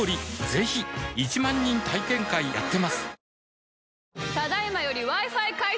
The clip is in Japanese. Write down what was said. ぜひ１万人体験会やってますはぁ。